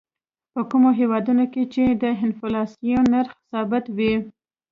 په کومو هېوادونو کې چې د انفلاسیون نرخ ثابت وي.